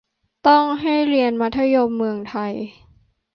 ต้องให้เรียนมัธยมเมืองไทย